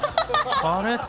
あれ？って。